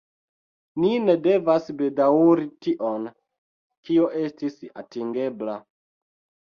Ni ne devas bedaŭri tion, kio estis neatingebla.